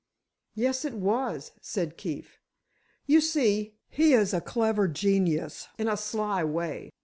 "Yes, it was," said Keefe. "You see, he is a clever genius, in a sly way.